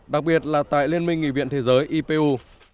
đặc biệt là tại liên minh nghị viện thế giới ipu